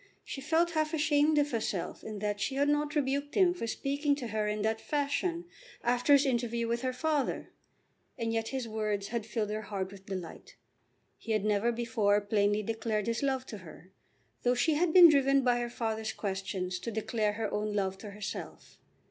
She felt half ashamed of herself in that she had not rebuked him for speaking to her in that fashion after his interview with her father, and yet his words had filled her heart with delight. He had never before plainly declared his love to her, though she had been driven by her father's questions to declare her own love to herself.